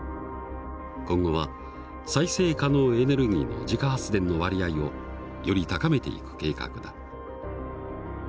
今後は再生可能エネルギーの自家発電の割合をより高めていく計画だ。